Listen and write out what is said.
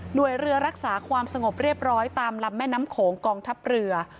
โดยเรือรักษาความสงบเรียบร้อยตามลำแม่น้ำโขงกองทัพเรือ